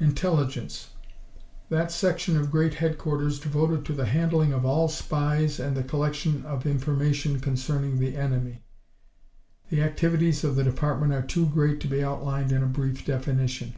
Intelligence That section of Great Headquarters devoted to the handling of all spies and the collection of information concerning the enemy. The activities of the department are too great to be outlined in a brief definition.